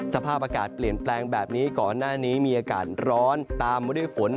สภาพอากาศเปลี่ยนแปลงแบบนี้ก่อนหน้านี้มีอากาศร้อนตามมาด้วยฝน